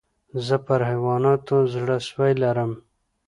زه پر حیواناتو زړه سوى لرم.